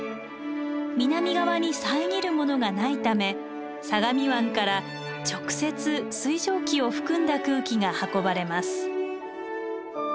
南側に遮るものがないため相模湾から直接水蒸気を含んだ空気が運ばれます。